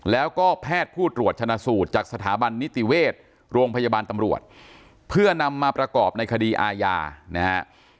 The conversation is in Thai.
แล้วก็แพทย์ผู้ตรวจชนะสูตรจากสถาบันนิติเวชโรงพยาบาลตำรวจเพื่อนำมาประกอบในคดีอาญานะฮะ